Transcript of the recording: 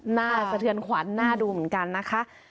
สะเทือนขวัญน่าดูเหมือนกันนะคะ